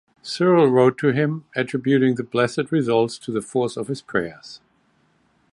Cyril wrote to him, attributing the blessed result to the force of his prayers.